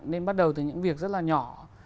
nên bắt đầu từ những việc rất là nhỏ